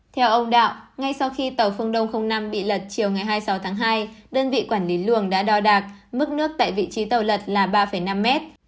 theo ông đạo ngay sau khi tàu phương đông năm bị lật chiều ngày hai mươi sáu tháng hai đơn vị quản lý luồng đã đo đạc mức nước tại vị trí tàu lật là ba năm mét